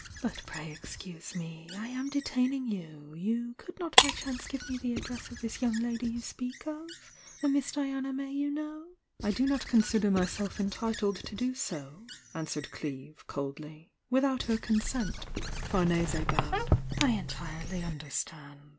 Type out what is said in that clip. "But pray excuse me! I am detaining you you could not by chance give me the addiSsi^of th^ y^ung inow?^°" ""^"^^^^^^^^ May you "I do not consider myself entitled to do ?o ' an swered Cleeve, coldly, "without her consent.'^' Jjamese bowed. •I entirely understand!